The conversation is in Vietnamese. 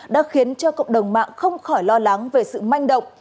đã khiến cho cộng đồng mạng không khỏi lo lắng về sự manh động